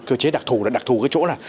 cơ chế đặc thủ là đặc thủ cái chỗ là